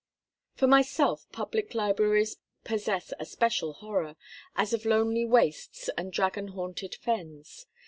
For myself, public libraries possess a special horror, as of lonely wastes and dragon haunted fens.